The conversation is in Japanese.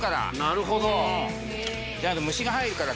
なるほど。